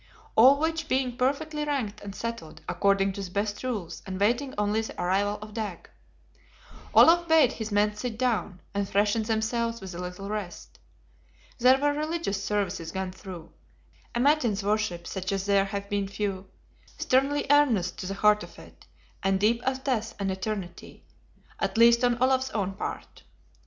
All which being perfectly ranked and settled, according to the best rules, and waiting only the arrival of Dag, Olaf bade his men sit down, and freshen themselves with a little rest. There were religious services gone through: a matins worship such as there have been few; sternly earnest to the heart of it, and deep as death and eternity, at least on Olaf's own part.